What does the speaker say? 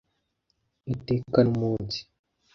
iteka n'umunsi